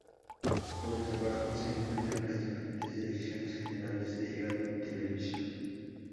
Por debajo se encuentran las diferentes direcciones generales de radio y televisión.